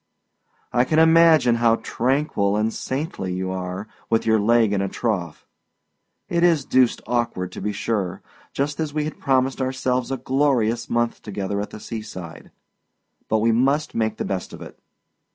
I can imagine how tranquil and saintly you are with your leg in a trough! It is deuced awkward, to be sure, just as we had promised ourselves a glorious month together at the sea side; but we must make the best of it.